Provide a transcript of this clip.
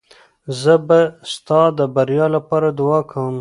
زه به ستا د بریا لپاره دعا کوم.